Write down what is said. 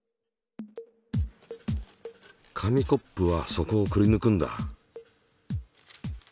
紙コップは底をくりぬくんだ。